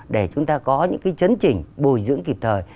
để chúng ta có những cái chấn trình bồi dưỡng kịp thời